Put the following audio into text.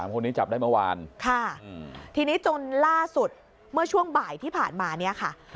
คนนี้จับได้เมื่อวานค่ะทีนี้จนล่าสุดเมื่อช่วงบ่ายที่ผ่านมาเนี่ยค่ะ